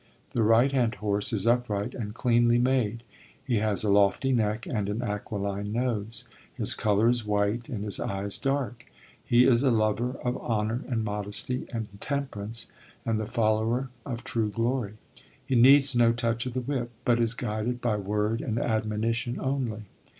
"The right hand horse is upright and cleanly made; he has a lofty neck and an aquiline nose; his colour is white and his eyes dark; he is a lover of honour and modesty and temperance, and the follower of true glory; he needs no touch of the whip, but is guided by word and admonition only.